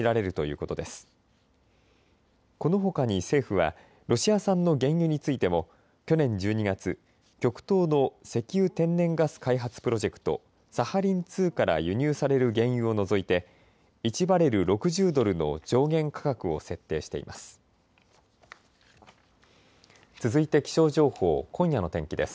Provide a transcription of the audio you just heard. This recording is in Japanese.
このほかに政府はロシア産の原油についても去年１２月、極東の石油・天然ガス開発プロジェクト、サハリン２から輸入される原油を除いて１バレル６０ドルの上限価格を設定しています。